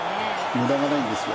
無駄がないんですよ。